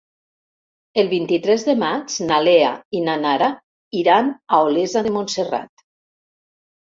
El vint-i-tres de maig na Lea i na Nara iran a Olesa de Montserrat.